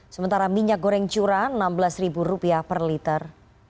sementara minyak goreng curah rp enam belas per liter